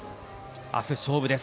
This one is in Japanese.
明日勝負です